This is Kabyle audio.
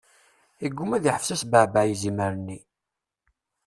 Iguma ad iḥbes asbeɛbeɛ yizimer-nni.